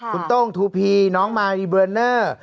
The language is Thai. คุณโต้งทูพีน้องมายเบรนเนอร์